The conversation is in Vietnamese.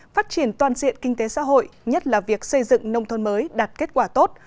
phát triển toàn diện kinh tế xã hội nhất là việc xây dựng nông thôn mới đạt kết quả tốt